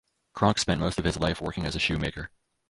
Cronk spent most of his life working as a shoemaker.